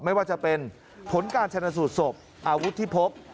ไม่ว่าจะเป็นผลการชนะสูตรศพอาวุธที่พบ